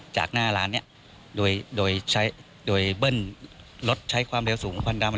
จากหน้าร้านนี้โดยใช้โดยเบิ้ลรถใช้ความเร็วสูงควันดำ